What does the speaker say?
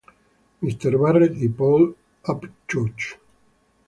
M. Barrett y Paul Upchurch.